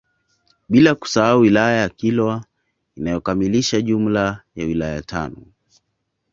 Bila kusahau wilaya ya Kilwa inayokamilisha jumla ya wilaya tano